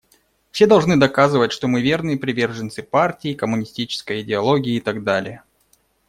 Все должны доказывать, что мы верные приверженцы партии, коммунистической идеологии и так далее.